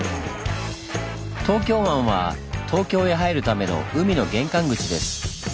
東京湾は東京へ入るための海の玄関口です。